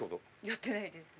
やってないです。